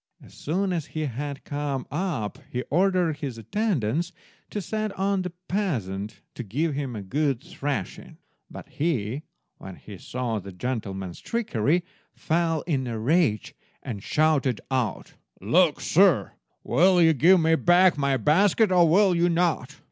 As soon as he had come up he ordered his attendants to set on the peasant and give him a good thrashing; but he, when he saw the gentleman's trickery, fell in a rage, and shouted out— "Look you, sir, will you give me back my basket, or will you not?